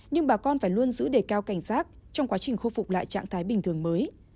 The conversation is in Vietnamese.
nhưng bà con phải luôn giữ đề cao cảnh giác trong quá trình khôi phục lại trạng thái bình thường mới